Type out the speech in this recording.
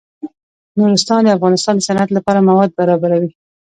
نورستان د افغانستان د صنعت لپاره مواد برابروي.